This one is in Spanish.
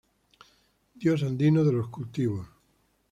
Dios andino de los cultivos.